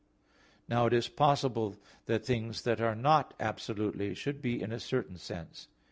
Now it is possible that things that are not absolutely, should be in a certain sense.